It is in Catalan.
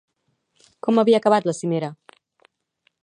Com havia acabat la cimera?